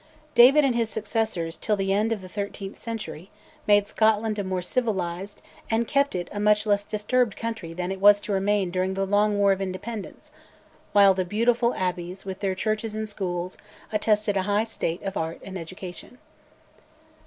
David and his successors, till the end of the thirteenth century, made Scotland a more civilised and kept it a much less disturbed country than it was to remain during the long war of Independence, while the beautiful abbeys with their churches and schools attested a high stage of art and education.